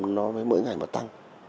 nó mới mỗi ngày mà tăng